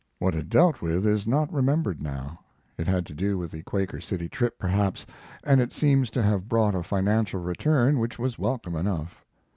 What it dealt with is not remembered now. It had to do with the Quaker City trip, perhaps, and it seems to have brought a financial return which was welcome enough.